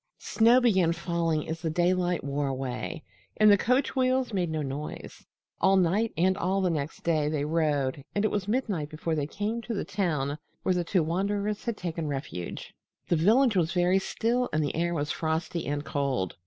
Snow began falling as the daylight wore away, and the coach wheels made no noise. All night and all the next day, they rode, and it was midnight before they came to the town where the two wanderers had taken refuge. The village was very still, and the air was frosty and cold.